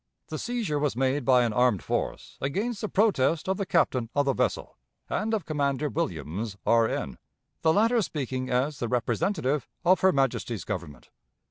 The seizure was made by an armed force against the protest of the Captain of the vessel, and of Commander Williams, R.N., the latter speaking as the representative of her Majesty's Government.